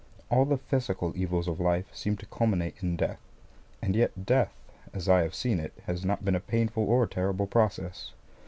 All the physical evils of life seem to culminate in death; and yet death, as I have seen it, has not been a painful or terrible process.